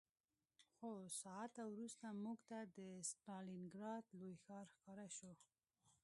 څو ساعته وروسته موږ ته د ستالینګراډ لوی ښار ښکاره شو